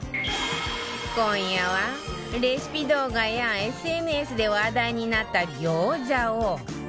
今夜はレシピ動画や ＳＮＳ で話題になった餃子を